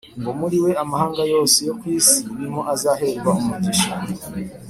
ngo muri we amahanga yose yo ku isi ni mo azaherwa umugisha